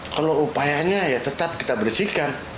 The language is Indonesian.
kalau upayanya ya tetap kita bersihkan